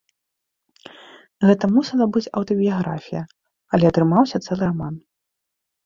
Гэта мусіла быць аўтабіяграфія, але атрымаўся цэлы раман.